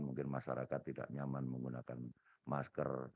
mungkin masyarakat tidak nyaman menggunakan masker